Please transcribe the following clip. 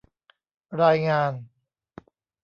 รายงาน